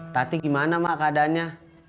tati gimana mbak keadaannya